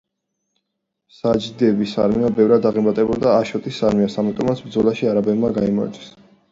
საჯიდების არმია ბევრად აღემატებოდა აშოტის არმიას, ამიტომაც ბრძოლაში არაბებმა გაიმარჯვეს.